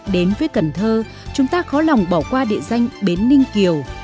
đến với cần thơ chúng ta khó lòng bỏ qua địa danh bến ninh kiều